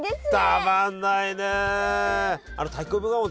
たまんないね！